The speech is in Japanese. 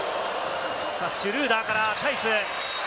シュルーダーからタイス。